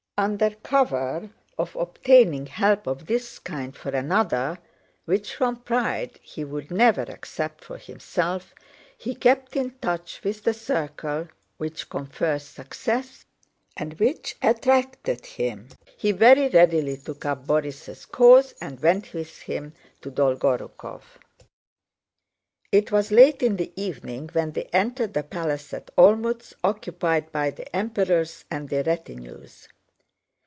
Under cover of obtaining help of this kind for another, which from pride he would never accept for himself, he kept in touch with the circle which confers success and which attracted him. He very readily took up Borís' cause and went with him to Dolgorúkov. It was late in the evening when they entered the palace at Olmütz occupied by the Emperors and their retinues.